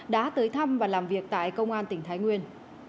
đã tới thăm và làm việc tại công an tỉnh thái nguyên